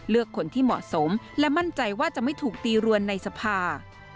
คนที่เหมาะสมและมั่นใจว่าจะไม่ถูกตีรวนในสภา